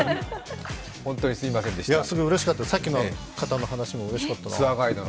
すごいうれしかった、さっきの方の話もうれしかったな。